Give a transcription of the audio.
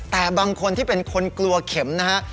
แต่บางคนที่เป็นคนกลัวเข็มนะฮะ